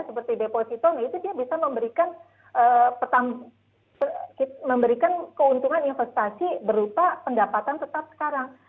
seperti depositoni itu dia bisa memberikan keuntungan investasi berupa pendapatan tetap sekarang